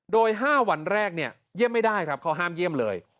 โดย๕วันแรกเนี่ยเยี่ยมไม่ได้ครับเขาห้ามเยี่ยมเลย